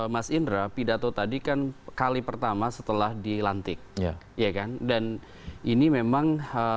mas indra pidato tadi kan kali pertama setelah dilantik ya kan dan ini memang